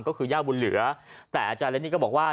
ก็คือย่าบุญเหลือแต่อาจารย์เรนนี่ก็บอกว่า